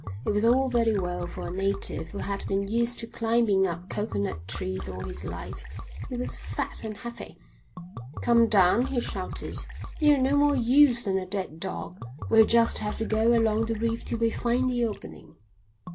It was all very well for a native who had been used to climbing up coconut trees all his life. He was fat and heavy. "Come down," he shouted. "You're no more use than a dead dog. We'll just have to go along the reef till we find the opening."